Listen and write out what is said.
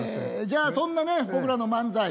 じゃあそんなね僕らの漫才